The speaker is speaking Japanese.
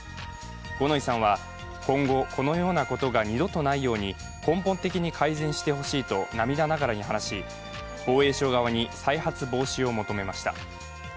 五ノ井さんは今後、このようなことが二度とないように根本的に改善してほしいと涙ながらに話し防衛省側に再発防止を求めました。